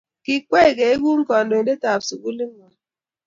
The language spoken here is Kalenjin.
kikikwei koeku kantoide ab sukulit ngwag